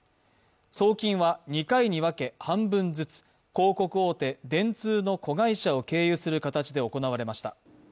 送金は２回に分け半分ずつ、広告大手、電通の子会社を経由する形で行われました。